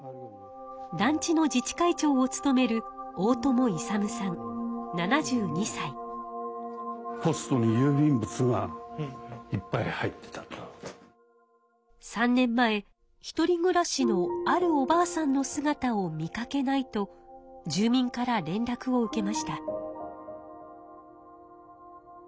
団地の自治会長を務める３年前ひとり暮らしのあるおばあさんのすがたを見かけないと住民から連らくを受けました。